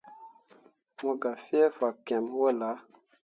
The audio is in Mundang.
Mo gah fie fakyẽmme wullah.